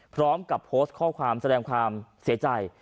พร้อมกับโพสต์ข้อความแสดงความเสียใจ